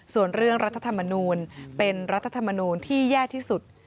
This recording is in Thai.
ส่วนเรื่องรัฐธรรมนูลเป็นรัฐธรรมนูลที่แย่ที่สุด